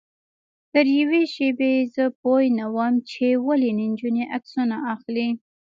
تر یوې شېبې زه پوی نه وم چې ولې نجونې عکسونه اخلي.